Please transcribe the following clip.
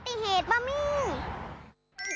อุบัติเหตุบระมี่